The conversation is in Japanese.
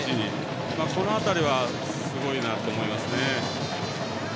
この辺りは、すごいなと思います。